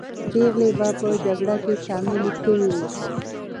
پېغلې به په جګړه کې شاملې سوې وي.